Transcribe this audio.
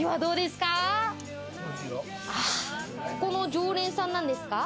ここの常連さんなんですか？